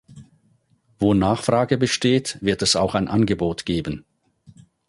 Wo Nachfrage besteht, wird es auch ein Angebot geben.